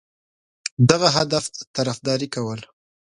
دغه هدف طرفداري کوله.